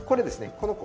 この子。